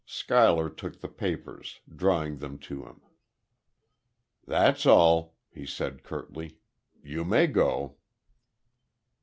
Schuyler took the papers, drawing them to him. "That's all," he said, curtly. "You may go."